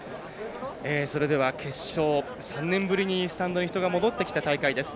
それでは決勝３年ぶりにスタンドに人が戻ってきた大会です。